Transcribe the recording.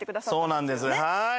そうなんですはい。